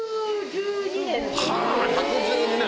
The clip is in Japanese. １１２年！